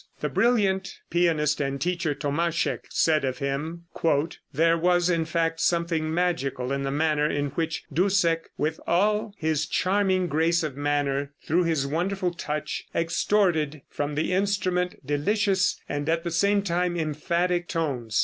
The brilliant pianist and teacher Tomaschek said of him: "There was, in fact, something magical in the manner in which Dussek, with all his charming grace of manner, through his wonderful touch, extorted from the instrument delicious and at the same time emphatic tones.